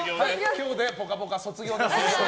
今日で「ぽかぽか」卒業です。